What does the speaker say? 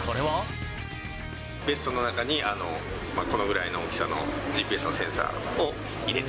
ベストの中に、このぐらいの大きさのＧＰＳのセンサーを入れて。